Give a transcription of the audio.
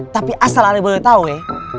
tapi asal alih boleh tau ya